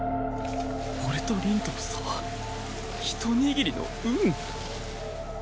俺と凛との差はひと握りの運？